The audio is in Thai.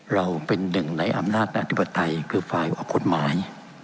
เราเป็นหนึ่งในอำนาจอธิปไตยคือฝ่ายออกกฎหมาย